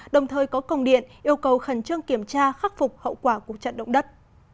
đồng thời có công điện yêu cầu khẩn trương kiểm tra khắc phục hậu quả của trận động đất